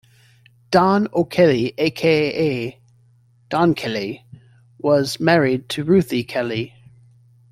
Don O'Kelly aka Don Kelly was married to Ruthie Kelly.